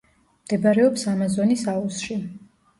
მდებარეობს ამაზონის აუზში.